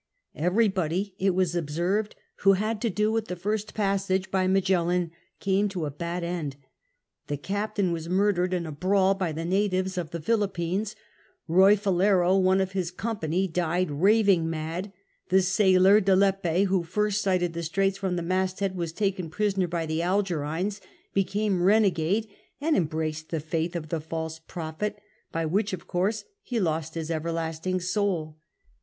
Everybody, it was observed, who had to do with the first passage by Magellan came to a bad end. The ca])tain was murdered in a brawl by tlic natives of the Philippines; Ruy Falcro, one of his company, die<l raving mad; the sailor De Lci)c, who first sighted the straits from the mast head, was tahcn prisoner by the Algerines, became renegade, and em braced the faith of tlie False Prophet, by which, of course, he lost his everlasting soul.